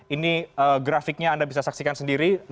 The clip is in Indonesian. ini grafiknya anda bisa saksikan sendiri